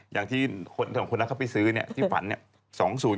อย่างที่คนนั้นเขาไปซื้อเนี่ยที่ฝันเนี่ย